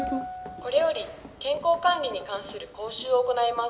これより健康管理に関する講習を行います。